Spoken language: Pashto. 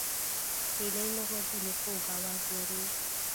هیلۍ له غوږونو خوږ آواز لري